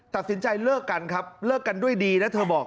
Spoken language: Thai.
ตัดสินใจเลิกกันครับเลิกกันด้วยดีนะเธอบอก